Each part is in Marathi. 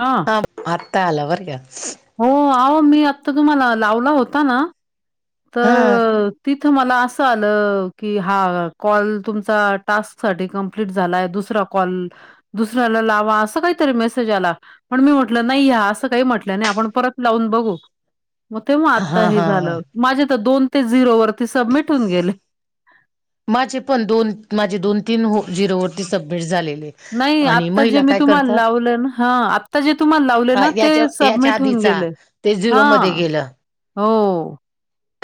हा थांब आता आला बरका हो आहो मी आत्ता तुम्हाला लावला होता ना हा तर तिथं मला असं आलं की हा कॉल तुमचा टास्क साठी कंप्लीट झालाय दुसरा कॉल दुसऱ्याला लावा असं काहीतरी मेसेज आला पण मी म्हटलं नाही ह्या असं काही म्हटल्या नाही आपण परत लावून बघू मग तेव्हा आता हा हे हा हा झालं माझे तर दोन ते झिरो वरती सबमिट होऊन गेले माझे पण दोन माझे दोन तीन झिरोवररती सबमिट झालेले नाही आणि आत्ता जे महिला मी काय तुम्हाला करतात लावलं ना हा आता जे तुम्हाला हा लाव ते याच्या याच्या सबमिट होऊन गे आधीचा ते हा झिरो मध्ये हो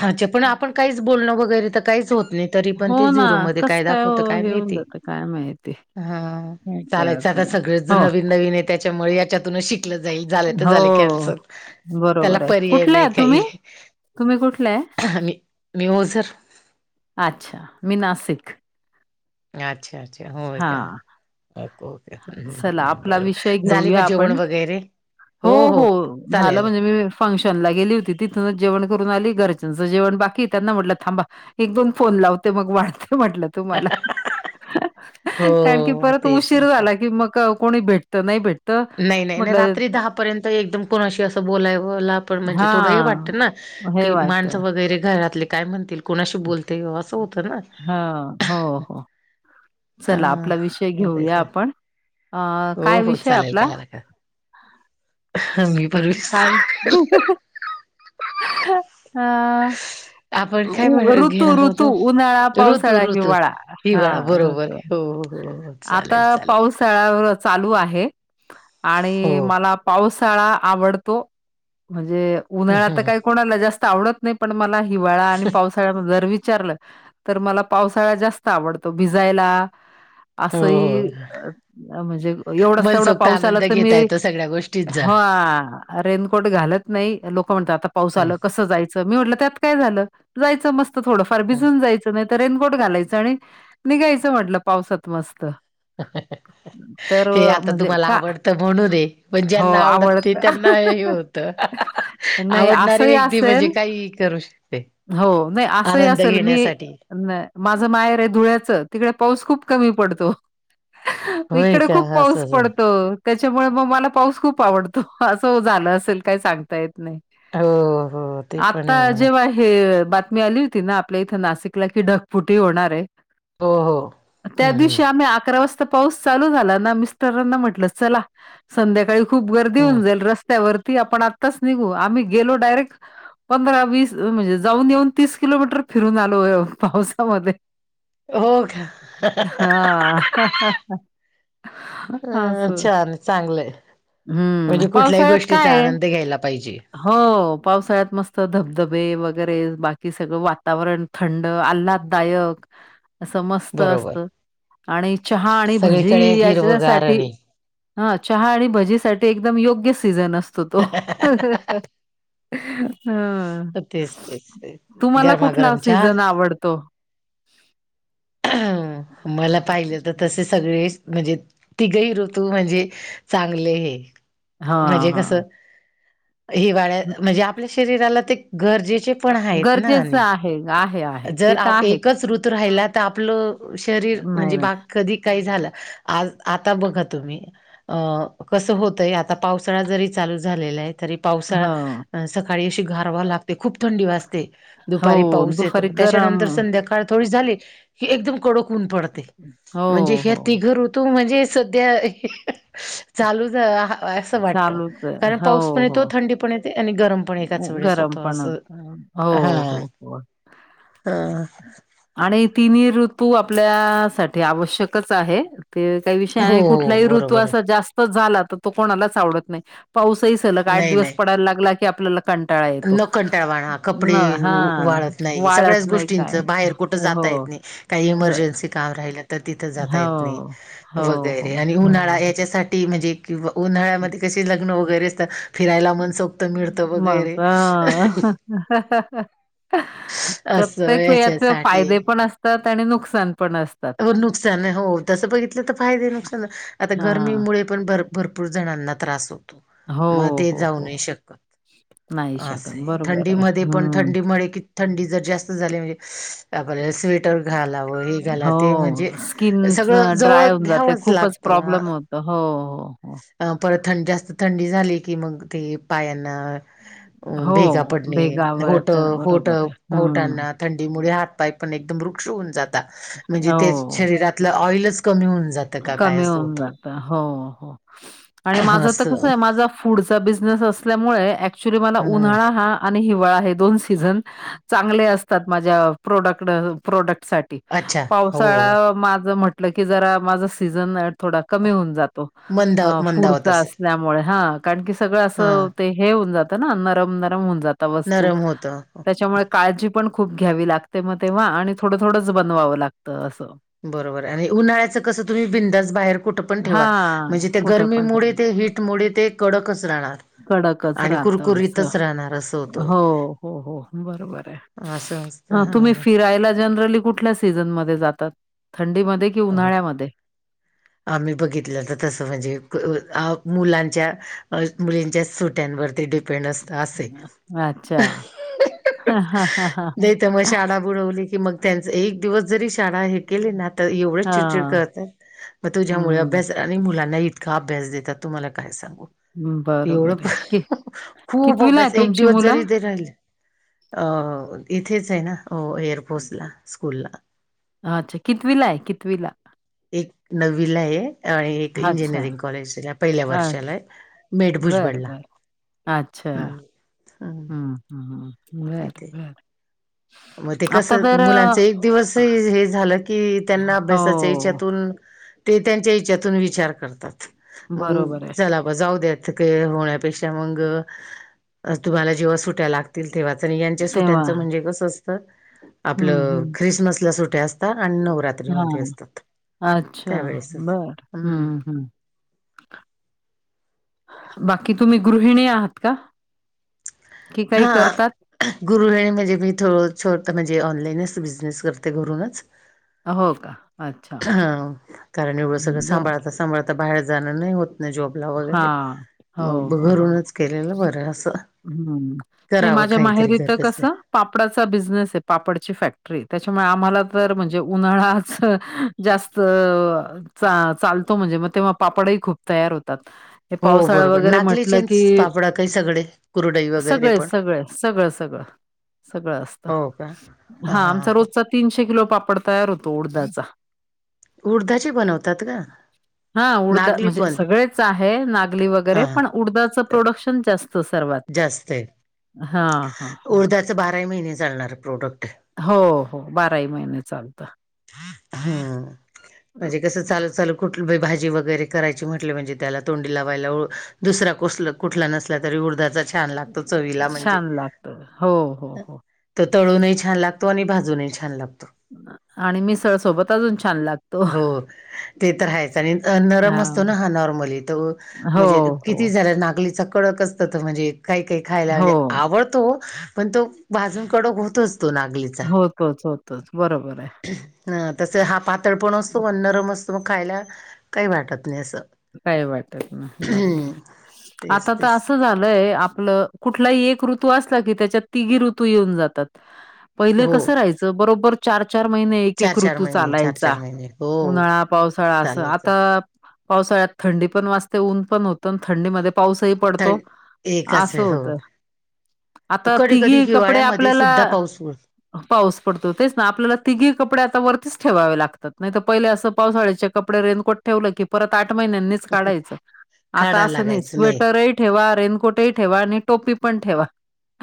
हाचे पण आपण काहीच बोलणं वगैरे तर काहीच होत नाही तरी पण ते हो ना झिरोमध्ये कसं काय हो दाखवतं काय हे होऊन माहीती जातं काय माहिती. हा काय चालायचं कळत आता नाही. सगळेच हो नवीन नवीन आहे त्याच्यामुळे याच्यात शिक जाईल झालं तर झालं हो कॅन्सल त्याला बरोबर आहे पर्याय कुठल्या नाही आहे तुम्ही? काही तुम्ही कुठल्या ये मी मीओझर अच्छा मि नासिक अच्छा अच्छा होय का हा. ओके चला ओके् आपला बरोर विषय झाली मग घेऊया जेवण आपण वगैरे हो हो झालं म्हणजे मी फंक्शन ला गेली होती तिथूनच जेवण करून आली घरजंचं जेवण बाकी त्यांना म्हटलं थांबा एक दोन फोन लावते. मग वाढते म्हटल तुम्हाला कारण की हो परत तेच ना उशीर चल. झाला की मग कोणी भेटत नाही भेटत नाही नाही नाही रात्री म्हटलं दहा पर्यंत एकदम कुणाशी असं बोलायला पण म्हणजे थोडं हे हां. वाटतं ना हे की वाटतं. माणसं वगैरे घरातले काय म्हणतील कोणाशी बोलते असं होत ना हां. हो, हो. अ चला आपला विषय मग तेच घेऊया ना. आपण अ हो काय हो विषय चालेल आपला काय मी पण वीस... हा आपण काय उ म्हण ऋतु घेणार ऋतु होतो उन्हाळा ऋतू पावसाळा ऋतू हिवाळा हा हिवाळा बरोबर ऋतु हो हो हो आता चालेल चालेल पाऊसाळा चालू आहे हो आणि मला पावसाळा आवडतो म्हजे हम्म, उन्हाळा तर हम्म. काही कोणाला जास्त आवडत नाही पण मला हिवाळा आणि पावसाळा [inaudible] जर विचारलं तर मला पावसाळा जास्त आवडतो भिजायला हो असंही हो अह म्हणजे एवढाच तेवढा मनसोक्त पाऊस आला आनंद तर घेता मिळेल येतो सगळ्या गोष्टी. हा रेनकोट घालत नाही लोक म्हणतात आता पाऊस आलं हम्म. कसं जाय चं मी म्हटलं त्यात काय झालं जायचं मस्त थोडंफार भिजून जायचं नाही तर रेनकोट घालायचं आणि निघायचं म्हटलं पावसात मस्त. [inaudible] तर हे अ, आता म्हणजे तुम्हाला का आवडतं म्हणून आहे पण ज्यांना आवडत नाही त्यांना हे होत त. नाही आवडणारी असंही व्यक्ती असेल म्हणजे काहीही करू शकते हो नाही असंही आनंद असल मी घेण्यासाठी न माझं माहेर आहे धुळ्याचं तिकडे पाऊस खूप कमी पडतो होय इकडे का खूप पाऊस असंच पडतो. त्याच्यामुळे म मला पाऊस खूप आवडतो असं ओ झालं असल काही सांगता येत नाही. हो हो ते पण आहे आता म्हणा जेव्हा हे बातमी आली होती ना आपल्या इथं नाशिकला की ढगफुटी होणार आहे हो हो. त्या हम्म हम्म दिवशी आम्ही अकरा वाजता पाऊस चालू झाला ना मिस्टरांना म्हटलं, चला संध्याकाळी खूप गर्दी होऊन हम्म जाईल रस्त्यावरती आपण आत्ताच निघू. आम्ही गेलो डायरेक्ट पंधरा वीस म्हणजे जाऊन येऊन तीस किलोमीटर फिरून आलो पावसामध्ये हो का. हा. अह असं छान चांगलंय हम्म म्हणजे कुठल्याही पावसाळ्यात काय गोष्टीचा आहे आनंद घ्यायला पाहिजे. हो पावसाळ्यात मस्त धबधबे वगैरे बाकी सगळं वातावरण थंड, आल्हाददायक अस मस्त स्त बरोबर असत आणि चहा आणि सगळीकडे भजी हिरवगार याच्यासाठी आणि हा चहा आणि भजीसाठी एकदम योग्य सीझन असतो तो. हम्म तेच तेच तेच तुम्हाला कुठला गरमागरम चहा सीझन आवडतो? मला पाहिलं तर तसे सगळे म्हणजे तिघही ऋतू म्हणजे चांगले हे हा हा. हिवाळ्यात म्हजे आपल्या शरीराला ते गरजेचे पण आहेत ना आणि गरजेचं आहे आहे आहे. जर ते तर आ आहेच. एकच ऋतू राहिला तर आपलं शरीर नाही, म्हणजे नाही. बा कधी काही झालं आज आता बघा तुम्ही अ कसं होतंय आता पावसाळा जरी चालू झालेला आहे तरी पावसाळ हं. सकाळी अशी गारवा लागते खूप थंडी वाजते, हो, दुपारी पाऊस दुपारी येतो गरम त्याच्यानंतर संध्याकाळ थोडी झाली की एकदम कडक ऊन पडतय म्हणजे हो, ह्य हो. तिघ ऋ तू म्हणजे सध्या चालू झा असं वाटतं चालूच आहे. कारण पाऊस पण हो, हो. येतो थंडी पण येते आणि गरम पण एकाच वेळेस गरम होतं पण असं होतं. हो, हा. [inaudible] हा. आणि हे तिन्ही ऋतू आपल्या साठी आवश्यकच आहे. काही काही विषय हो नाही. हो कुठलाही ऋतू बरोबर आहे असा जास्त झाला तर तो कोणालाच आवडत नाही पाऊसही सलग आठ नाही दिवस नाही पडायला लागला की आपल्याला कंटाळा येतो, न कंटाळवाणा कपडे न हा उ वाळत नाही वाळत सगळ्याच नाही काय, गोष्टींचं बाहेर कुठं जाता हो येत नाही काही ज इमर्जन्सी काम राहिल तर तिथ जात येत नाही हो. हो, वगैरे हो. उन्हाळा याच्यासाठी म्हणजे किंवा उन्हाळ्यामध्ये कसे लग्न वगैरे असतात फिरायला मनसोक्तं मिळतं वगैरे. अह असं प्रत्येक वयाचे याच्यासाठी फायदे पण अस त आणि नुकसान पण असतं. हो नुकसानय. हो, तसं बघितलं तर फायदे - नुकसान, आता हां. गरमीमुळे पण भरपूर- पूर जणांना त्रास होतो. हो, मग ते हो, जाऊ हो. नाही शकत. नाही शकत. असंय. बरोबर आहे. थंडीमध्ये पण हं. थंडीमुळे कि, थंडी जर जास्त झाली. म्हणजे, [unintelligible] आपल्या स्वेटर घालावं. हे घालात अ ते म्हणजे, हो. स्किन अ, सगळं जवळ घ्यावंच लागतं. आ अ हो. हो, हो. अ परत थं जास्त थंडी झाली की, मग ते पायांना. आ [inaudible] अ भेगा हो. पडणे. भेगा होट- वळतात. होट, बरोबर आहे. हं. होटांना थंडीमुळे, हात पाय पण एकदम रुक्ष होऊन जाता. म्हणजे ते हो. शरीरातल, ऑईलच कमी होऊन जातं का काय कमी असं होऊन जातं. हो, हो. आणि होतं माझं तर असं कसय. माझ फूडचा बिझनेस असल्यामुळे, ऍक्च्युली मला हम्म उन्हाळा हा आणि हिवाळा. हे दोन सीझन, चांगले असतात. माझ्या प्रॉडक्ड - प्रोडक्टसाठी. अच्छा हो पावसाळा, माझ म्हटलं की जरा, माझं सीझन. थोडा कमी होऊन जातो. मंदाव अ मंदावत फूडचा अस असेल त्यामुळे. हा कारण की सगळं अस, हा ते हे होऊन जात ना. नरम - नरम होऊन जात. वस्तू. नरम होतं त्याच्यामुळे काळजी पण खूप घ्यावी लागते, मग तेव्हा. आणि थोडं- थोडंच बनवावं लागतं. असं. बरोबरय. आणि उन्हाळ्याचं कसं, तुम्ही बिनधास्त बाहेर कुठ पण ठेवा. हां, म्हणजे ते कुठं पण ट गरमीमुळे, ते हीटमुळे, ते कडकच राहणार. कडकच आणि राहत असं. कुरकुरीतच राहणार असं होतं हो, हो, हो बरोबरय. असं असतं तुम्ही हा. फिरायला जनरली कुठल्या सी सीझनमध्ये जातात. थंडीमध्ये कि उन्हाळ्यामध्ये. आम्ही बघितलं तर तसं म्हणजे, कु अ मुलांच्या अ मुलींच्या सुट्यांवरती डीप डीपेंड असत, असंय. अच्छा. [unintelligible] नाही त मग शाडा बुडवले की मग त्यांच. एक दिवस जरी, शाळा हे केले ना त तर एवढं चिडचिड हां. करतात. मग तुझ्यामुळे हं. अभ्यासात आणि मुलांना इतका अभ्यास देतात. तुम्हाला काय सांगू? एवढं बरोबर प आहे. कि [unintelligible] खूप कितवीला आहे अभ्यास. एक तुमची दिवस जरी मुलं? ते राहिले आ येथेचय ना, ओ एअरफोर्सला, स्कूल ला. हा, अच्छा. कितवीलाय. कितवीला. एक नववीलाय. आणि एक अच्छा. Engineering college. पहिल्या अ, वर्षालाय. बरं, मेठभुजबळला. बरं. अच्छा. हम्म, हम्, हम्. बर, तिथे बर. मग ते कसं, मुलांच एक अ दिवस हे हे झालं, की त्यांना हो, अभ्यासाच्या हेच्यातून ते त्यांच्या हेच्यातून विचार करतात. मग बरोबर आहे. चला मग जाऊ द्या. ते होण्यापेक्षा मग, तुम्हाला जेव्हा सुट्ट्या लागत तील तेव्हाच. न यांच्या तेव्हा. सुट्यांचं म्हणजे कसं असत. हं, आपलं, ख्रिसमसला सुट्या असत [unintelligible] अन नवरात्र. हा. अच्छा. बर. हम्मम, हम्म. बाकी तुम्ही, गृहिणी आहात का? की काही हा. करतात? गृहिणी म्हणजे, मी थोड छोट म्हणजे, ऑनलाईनच बिझनेस करते घरुनच. हो का? अच्छा. ह. कारण एवढं सगळ, बरं. सांभाळता - सांभाळ आता बाहेर जाणं, नाही होत न नाही जॉबला वगैरे. हां. हो, मग घरूनच केलेलं बरं, असं. हम्म. नाही करावं माझ्या काहीतरी माहेरीत, घर बसल्या. कसं? पापडाचा बिझनेसय. पापडची फॅक्टरी. त्याच्यामुळे आम्हाला तर म्हणजे उन्हाळ्याच जास्त अ चा - चालतो. म्हणजे मग तेव्हा पापडही, खूप तयार होतात. हे हो पावसाळा बरोबर वगैरे म्हटलं नागलीचेच की. पापड काही सगळे कुरडई वगैरे सगळे पण सगळं- सगळं. सगळं असतं हो का. हा आमचा रोजचा तीनशे किलो पापड तयार होतो उडदाचा उडदाचे बनवतात का नागली पण? च आहे नागली वगैरे हा पण उडदाचं प्रोडक्शन जास्त सर्वात जास्त आहे. हां, हां, हां. उडदाचं बाराही महिने चालणार प्रोडक्टय हो हो बाराही महिने चालतं हम् म्हणजे कस चालू चालू कुठ भाजी वगैरे करायची म्हंटले म्हणजे त्याला तोंडी लावायला दुसरा कुसलं कुठला नसला तरी उडदाचा छान लागतो चवीला म्हणजे छान लागतं. हो, हो, हो. तो तळूनही छान लागतो आणि भाजूनही छान लागतो. आणि मिसळ सोबत अजून छान लाग हो ते तर आहेच आणि नरम असतो ना हां. हा नॉर्मली तर हो, म्हणजे हो. किती झाला नागलीचा कडकच [unintelligible] म्हणजे काही काही खायला हो. म्हणजे आवडतो पण तो भाजून कडक होतच तो नागली होतोच होतोच बरोबरय अ तस हा पातळ पण असतो व नरम असतो मग खायला काही वाटत नाही असं काय वाटत नाही बरोबर तेच आता तर तेच असं झालंय आपलं कुठलाही एक ऋतू असला की त्याच्यात तिघी ऋतू येऊन जातात पहिले हो कसं राहाय च बरोबर चार चार महिने एक चार एक चार ऋतू महिने चार चालायचा चार महिने हो उन्हाळा, पावसाळा असं चालायचं आता पावसाळ्यात थंडी पण वाजते ऊन पण होत थंडीमध्ये पाऊसही पडतो थंड एकाच असं वेळ हो होतं आता कधी कधी तिघी कपडे हिवाळ्यामध्ये आपल्याला सुद्धा पाऊस पाऊस पडतो तेच ना आपल्याला तिघी कपडे आता वरतीच ठेवावे लागतात नाही तर पहिले असं पावसाळ्याचे कपडे रेनकोट ठेवलं की परत आठ महिन्यांनी काढायचं आता काढायला अस नाही लागायचं स्वेटर ही ठेवा रेनकोटही ठेवा आणि टोपी पण ठेवा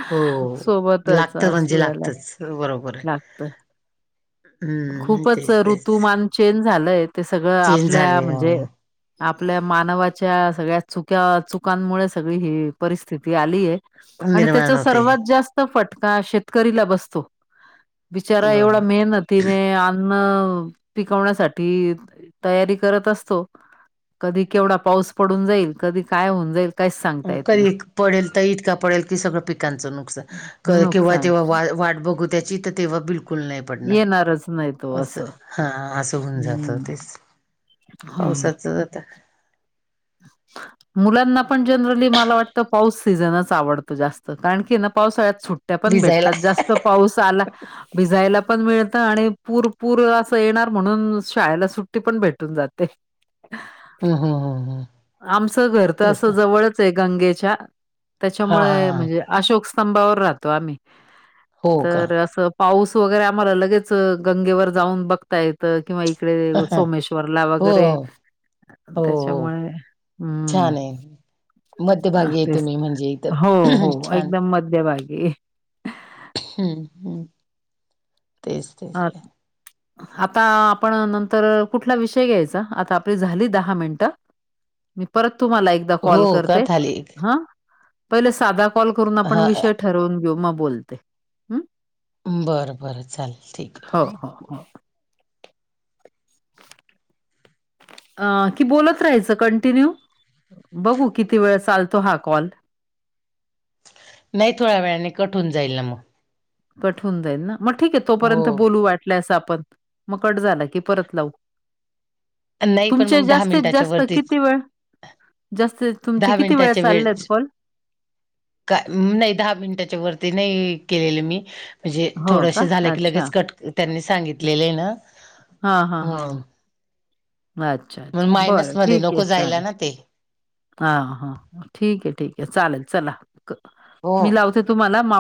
हो सोबतच लागतं असं म्हणजे झालं आता लागतच बरोबर आहे लागतं हम्म खूपच तेच तेच ऋतुमान चेंज झालंय ते सगळं चेंज आपल्या झाले म्हणजे अं, आपल्या मानवाच्या सगळ्या चुक्या चुकांमुळे सगळी ही परिस्थिती आलीय आणि निर्माण त्याच्या होते सर्वात जास्त स्त फटका शेतकरीला बसतो बिचारा एवढा बरोबर मेहनत तिने अन्न पिकवण्यासाठी तयारी करत असतो कधी केवढा पाऊस पडून जाईल कधी काय होऊन जाईल काहीच सांगता येत नाही. कधी पडेल तर इतका पडेल की सगळं पिकांचं नुकसान केव्हा नुकसान तेव्हा वाट बघू त्याची तर तेव्हा बिलकुल नाय येणारच नायतो असं हा असं होवून जात हं, तेच पावसाच आता अ् [inaudible] मुलांना पण जनरली मला वाटतं पाऊस सीझनच आवडतो जास्त कारण की ना पावसाळ्यात सुट ट्या पण भिजायला. भेटतात जास्त पाऊस आला भिजायला पण मिळत आणि पूरपूर असं येणार म्हणून शाळेला सुट्टी पण भेटून जाते हह [inaudible] हा हा हा आमचं घर तर असं जवळचय गंगेच्या हा हा त्याच्यामुळे हा म्हणजे अशोक स्तंभावर राहतो आम्ही हो का तर असं पाऊस वगैरे आम्हाला लगेच गंगेवर जाऊन बघता येत ता किंवा इकडे सोमेश्वरला हो वगैरे त्याच्यामुळे हम्म छानय मध्यभागीय तेच तुम्ही म्हणजे हो, एकदम हो छान एकदम मध्यभागी हम्म हम् हा [inaudible] आता आपण नंतर कुठला विषय घ्यायचा आता आपली झाली दहा मिनटं मी परत तुम्हाला एकदा कॉल हो का करते थाली हा पहिले साधा कॉल करून आपण हा विषय ठरवून घेऊ मग बोलते हं. बरं बरं चालेल ठीक आहे हो हो हो अ की बोलत राहायचं कंटिन्यू बघू किती वेळ चालतो हा कॉल नाही थोड्या वेळाने कठ होून जाईल ना मग कट होऊन जाईल ना मग ठीक आहे तोपर्यंत हो. बोलू वाटलंय असं आपण मग कट झाला की परत लावू नाही पण तुमचे मग दहा जास्तीत मिनिटाच्या जास्त वरतीच किती वेळ जास्तीत तुमचे दहा किती वेळ मिनिटाच्या चाललेत कॉल का नाही दहा मिनिटाच्या वरती नाही केलेले मी म्हणजे हो का? थोडस झालं की अच्छा. लगेच कट त्यांनी सांगितलेलं आहे ना हा हा हा म्हणून अच्छा मग अच्छा बरं मायनस मध्ये ठीक आहे नको जायला चालेल ना ते हा हा ठीक आहे ठीक आहे चालेल चला हो मी लावते तुम्हाला मा